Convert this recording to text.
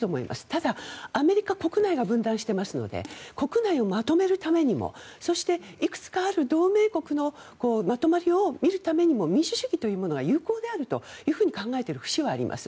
ただ、アメリカ国内が分断していますので国内をまとめるためにもそして、いくつかある同盟国のまとまりを見るためにも民主主義というものは有効であるというふうに考えている節はあります。